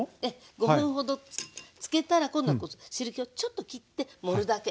５分ほどつけたら今度汁けをちょっときって盛るだけ。